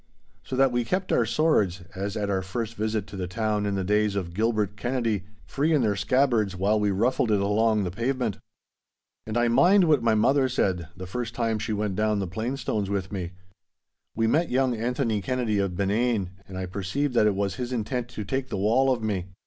So that we kept our swords, as at our first visit to the town in the days of Gilbert Kennedy, free in their scabbards while we ruffled it along the pavement. And I mind what my mother said, the first time she went down the plainstones with me. We met young Anthony Kennedy of Benane, and I perceived that it was his intent to take the wall of me.